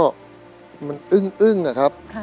มันอึ้งอะครับ